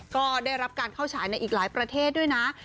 ก็ได้รับการเข้าฉายในอีกหลายประเทศด้วยนะ